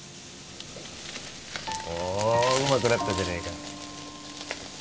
おおうまくなったじゃねえか